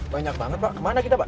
banyak banget pak kemana kita pak